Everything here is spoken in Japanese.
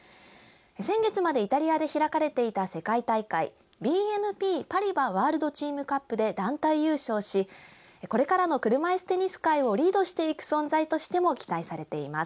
先月までイタリアで開かれていた世界大会「ＢＮＰパリバワールドチームカップ」で団体優勝しこれからの車いすテニス界をリードしていく存在としても期待されています。